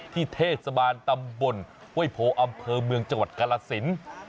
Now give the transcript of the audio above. ที่เทศบาลตำบลเว้ยโผอำเภอเมืองจังหวัดกรสิน